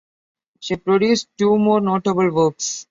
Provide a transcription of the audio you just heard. She produced two more notable works.